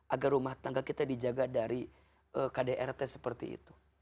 agar rumah tangga kita dijaga dari kdrt seperti itu